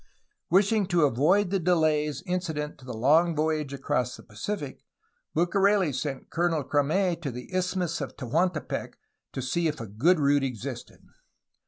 Wishing to avoid the delays incident to the long voyage across the Pacific, Bucareli sent Colonel Crame to the Isthmus of Tehuantepec to see if a good route existed.